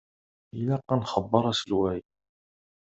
Ilaq ad nxebber aselway.